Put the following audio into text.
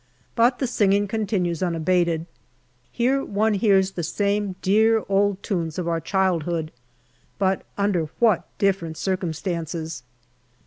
But the singing continues unabated. Here one hears the same dear old tunes of our childhood, but under what different circumstances